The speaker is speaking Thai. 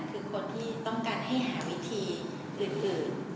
คือคนที่ต้องการให้หาวิธีอื่น